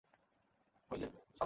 মেয়েদের পূজা করেই সব জাত বড় হয়েছে।